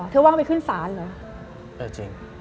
ว่างไปขึ้นศาลเหรอเออจริง